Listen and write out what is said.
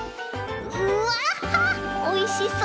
うわおいしそう！